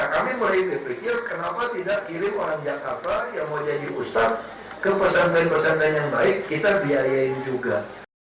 kami mulai berpikir kenapa tidak kirim orang jakarta yang mau jadi ustadz ke pesantren pesantren yang baik kita biayain juga